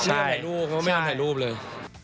เขาก็ไม่ทำถ่ายรูปเลย